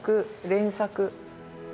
連作。